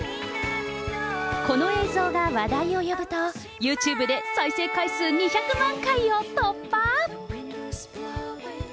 この映像が話題を呼ぶと、ユーチューブで再生回数２００万回を突破。